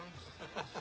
ハハハハ。